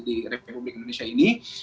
di republik indonesia ini